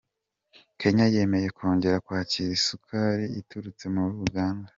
Kenya yemeye kongera kwakira isukari iturutse muri Uganda.